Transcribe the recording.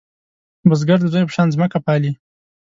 بزګر د زوی په شان ځمکه پالې